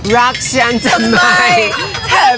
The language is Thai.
รักฉันทำไม